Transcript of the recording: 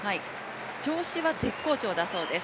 調子は絶好調だそうです。